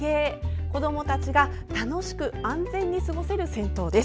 子どもたちが楽しく安全に過ごせる銭湯です。